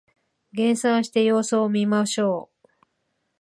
減産して様子を見ましょう